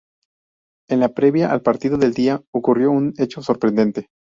En la previa al partido del día, ocurrió un hecho sorprendente.